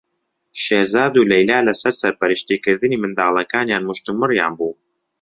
شێرزاد و لەیلا لەسەر سەرپەرشتیکردنی منداڵەکانیان مشتومڕیان بوو.